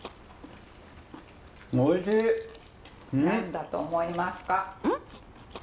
何だと思いますか？